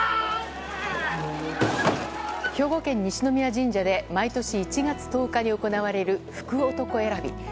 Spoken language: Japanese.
兵庫県西宮神社で毎年１月１０日に行われる福男選び。